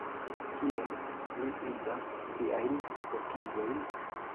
Kiel ni uzas viajn kotizojn?